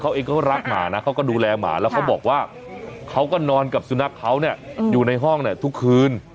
เขาเองก็รักหมานะเขาก็ดูแลหมาแล้วเขาบอกว่าเขาก็นอนกับสุนัขเขาเนี่ยอยู่ในห้องเนี่ยทุกคืน